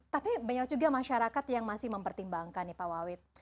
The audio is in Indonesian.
tapi banyak juga masyarakat yang masih mempertimbangkan nih pak wawid